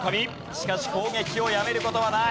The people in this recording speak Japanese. しかし攻撃をやめる事はない。